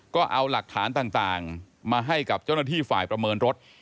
ก็เอาหลักฐานต่างมาให้กับเจ้าหน้าที่ฝ่ายประเมินรถ